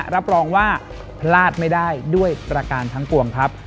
รับรองว่าพลาดไม่ได้ด้วยประการทั้งปวงครับ